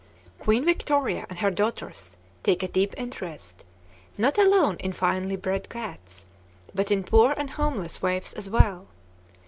Queen Victoria and her daughters take a deep interest, not alone in finely bred cats, but in poor and homeless waifs as well.